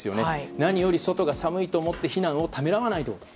何より、外が寒いと思って避難をためらわないように。